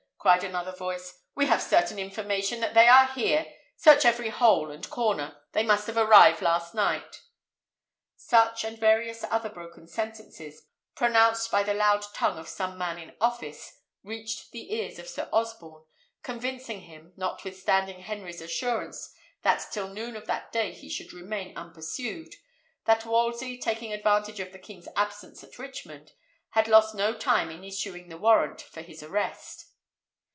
cried another voice; "we have certain information that they are here. Search every hole and corner; they must have arrived last night." Such, and various other broken sentences, pronounced by the loud tongue of some man in office, reached the ears of Sir Osborne, convincing him, notwithstanding Henry's assurance that till noon of that day he should remain unpursued, that Wolsey, taking advantage of the king's absence at Richmond, had lost no time in issuing the warrant for his arrest.